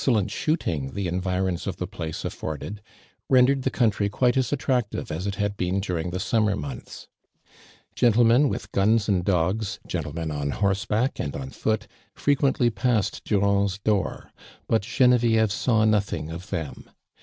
lent shooting the environs of the place af foided, rendere(l the country quite fts attrac tive (18 it had been during the summer months. Gentlemen with guns and dogs, gentle men on horseback and on foot, frequently passed Durand's door, but CJenevieve saw nothing of them.